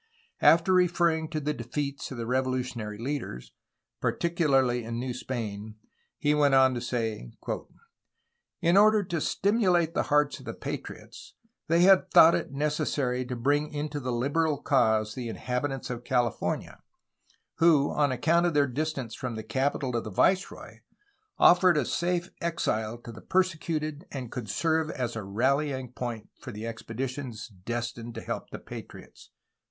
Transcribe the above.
After referring to defeats of the revolutionary leaders, particularly in New Spain, he went on to say : "In order to stimulate the hearts of the patriots, they had thought it necessary to bring into the liberal cause the inhabitants of California, who, on account of their distance from the capital of the viceroy, offered a safe exile to the persecuted and could serve as a rallying point for expeditions destined to help the patriots."